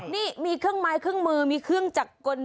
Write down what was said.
นี่มีเครื่องไม้เครื่องมือมีเครื่องจักรกล